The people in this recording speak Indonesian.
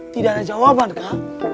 tidak ada jawaban kak